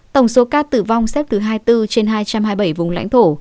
tổng số ca tử vong xếp thứ hai mươi bốn trên hai trăm hai mươi bảy vùng lãnh thổ